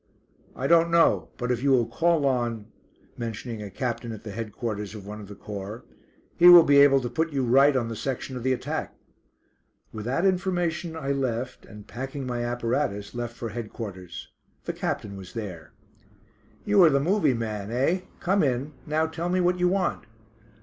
"I don't know; but if you will call on mentioning a captain at the Headquarters of one of the corps he will be able to put you right on the section of the attack." With that information I left, and packing my apparatus left for Headquarters. The captain was there. "You are the 'movie' man, eh? Come in. Now tell me what you want."